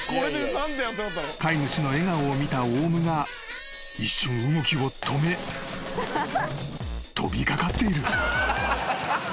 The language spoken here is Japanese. ［飼い主の笑顔を見たオウムが一瞬動きを止め飛び掛かっている］